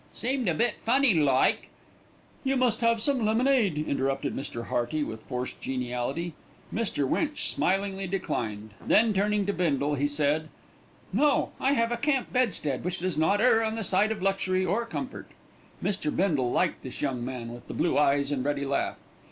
Seemed a bit funny like " "You must have some lemonade," interrupted Mr. Hearty with forced geniality. Mr. Winch smilingly declined, then turning to Bindle, he said: "No, I have a camp bedstead, which does not err on the side of luxury or comfort." Bindle liked this young man with the blue eyes and ready laugh.